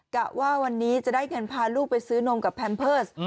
กะว่าวันนี้จะได้เงินพาลูกไปซื้อนมกับแพมเพิร์ส